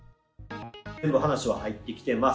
全部話は入ってきています。